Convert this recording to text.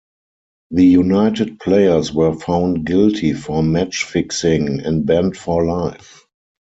The United players were found guilty of match fixing and banned for life.